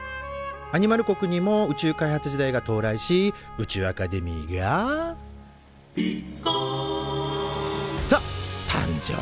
アニマル国にも宇宙開発時代が到来し宇宙アカデミーが「ぴっかん」と誕生。